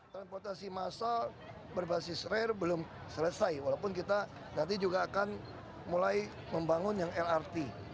transportasi massal berbasis rail belum selesai walaupun kita nanti juga akan mulai membangun yang lrt